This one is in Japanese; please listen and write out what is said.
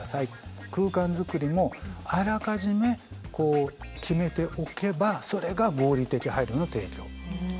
空間づくりもあらかじめこう決めておけばそれが合理的配慮の提供。